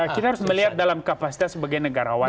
kita harus melihat dalam kapasitas sebagai negarawan